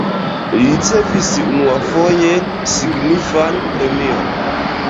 Li ricevis unuafoje signifan premion.